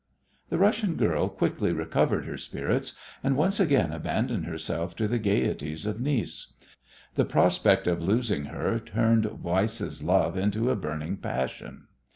The Russian girl quickly recovered her spirits and once again abandoned herself to the gaieties of Nice. The prospect of losing her turned Weiss's love into a burning passion.